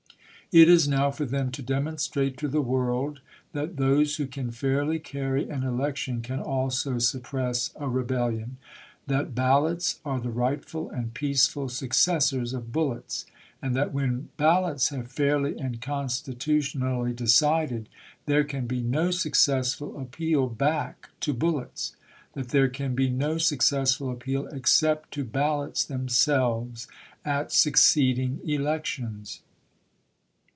It is now for them to demonstrate to the world, that those who can fairly carry an election can also suppress a rebellion ; that ballots are the rightful and peaceful successors of bullets ; and that when bal lots have fairly and constitutionally decided, there can be no successful appeal back to bullets ; that there can be no successful appeal except to ballots themselves at succeeding elections.